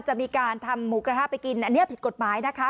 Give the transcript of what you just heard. จะมีการทำหมูกระทะไปกินอันนี้ผิดกฎหมายนะคะ